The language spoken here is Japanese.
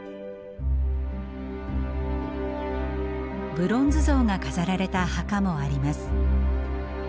ブロンズ像が飾られた墓もあります。